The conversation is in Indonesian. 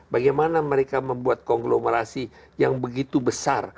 bagaimana mereka membuat konglomerasi yang begitu besar